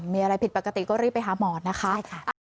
มีอะไรผิดปกติก็รีบไปหาหมอนะคะ